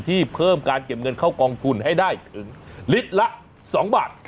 ที่เพิ่มการเก็บเงินเข้ากองทุนให้ได้ถึงลิตรละ๒บาท